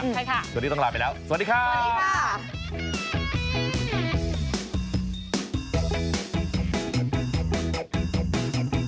สวัสดีต้องลาไปแล้วสวัสดีค่ะ